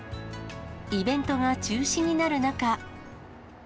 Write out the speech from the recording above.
イベントが中止になる中。